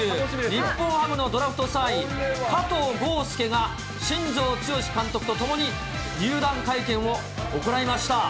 日本ハムのドラフト３位、加藤豪将が、新庄剛志監督と共に入団会見を行いました。